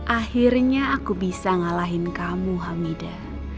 akhirnya aku bisa ngalahin kamu hamida